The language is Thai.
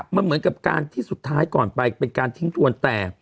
มันเหมือนกับการที่สุดท้ายก่อนไปเป็นการทิ้งทวนแต่